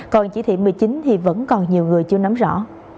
còn chỉ thị một mươi chín thì vẫn còn nhiều người chưa nắm rõ